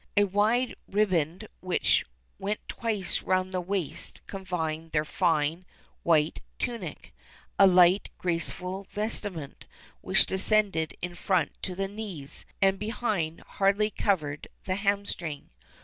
A wide riband which went twice round the waist confined their fine, white tunic a light, graceful vestment, which descended in front to the knees, and behind hardly covered the hamstring.